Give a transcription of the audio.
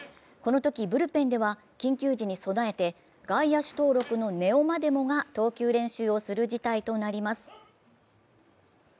このとき、ブルペンでは緊急時に備えて、外野手登録の根尾までもが投球練習をする事態となります。